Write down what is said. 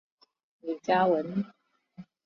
李嘉文。